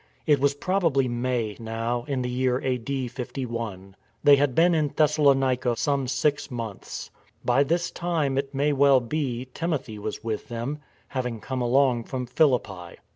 It was probably May now, in the year a.d. 51. They had been in Thessalonica some six months. By this time, it may well be, Timothy was with them, having come along from Philippi.